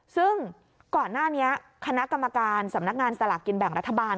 ซึ่งก่อนหน้านี้คณะกรรมการสำนักงานสลากกินแบ่งรัฐบาล